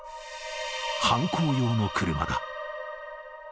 犯行用の車だ。